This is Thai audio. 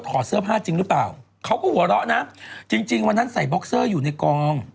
เสื้อผ้าจริงหรือเปล่าเขาก็หัวเราะนะจริงจริงวันนั้นใส่บ็อกเซอร์อยู่ในกอง